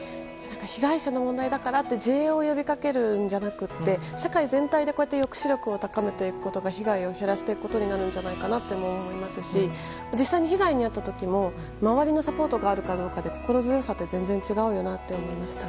被害者の問題だからって自衛を呼びかけるんじゃなくて社会全体でこうやって抑止力を高めていくことが被害を減らしていくことになると思いますし実際に被害に遭った時も周りのサポートがあるかどうかで心強さって全然違うなって思いました。